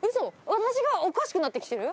私がおかしくなってきてる？